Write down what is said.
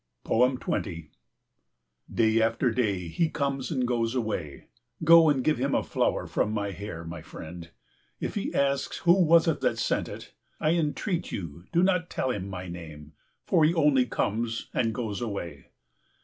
20 Day after day he comes and goes away. Go, and give him a flower from my hair, my friend. If he asks who was it that sent it, I entreat you do not tell him my name for he only comes and goes away.